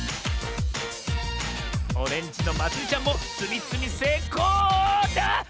オレンジのまつりちゃんもつみつみせいこうあっ